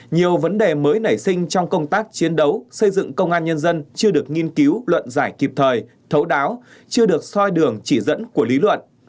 nhiều vấn đề mới nảy sinh trong công tác chiến đấu xây dựng công an nhân dân chưa được nghiên cứu luận giải kịp thời thấu đáo chưa được soi đường chỉ dẫn của lý luận